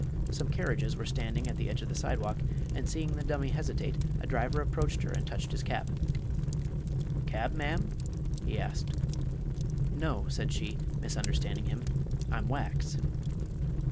Some carriages were standing at the edge of the sidewalk, and seeing the dummy hesitate a driver approached her and touched his cap. "Cab, ma'am?" he asked. "No," said she, misunderstanding him; "I'm wax."